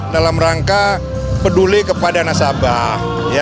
dalam rangka peduli kepada nasabah